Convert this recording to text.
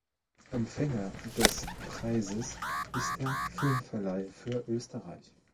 Empfänger des Preises ist der Filmverleih für Österreich.